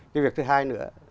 cái việc thứ hai nữa